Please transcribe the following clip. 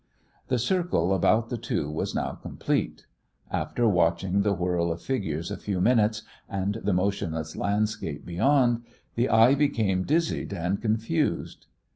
The circle about the two was now complete. After watching the whirl of figures a few minutes, and the motionless landscape beyond, the eye became dizzied and confused.